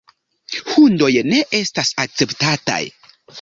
Hundoj ne estas akceptataj.